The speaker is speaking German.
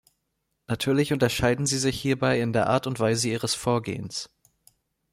Natürlich unterscheiden sie sich hierbei in der Art und Weise ihres Vorgehens.